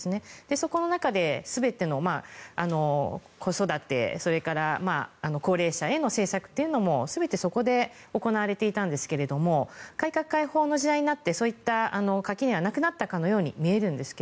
そこの中で全ての子育てそれから高齢者への政策というのも全てそこで行われていたんですが改革開放の時代になってそういった垣根はなくなったかのように見えるんですが